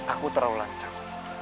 aku terlalu lancar